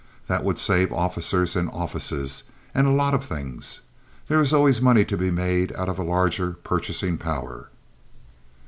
That would save officers and offices and a lot of things. There is always money to be made out of a larger purchasing power."